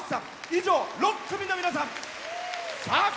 以上、６組の皆さん。